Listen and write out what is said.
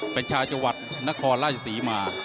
เป็นชาวจังหวัดนครราชศรีมา